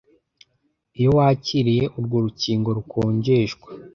iyo wakiriye urwo rukingo rukonjeshwa